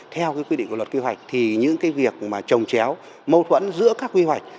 theo quy định của luật quy hoạch thì những cái việc mà trồng chéo mâu thuẫn giữa các quy hoạch